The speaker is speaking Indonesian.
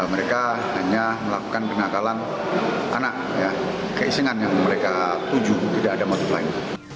mereka hanya melakukan penyakalan anak keisingan yang mereka tuju tidak ada maksud lain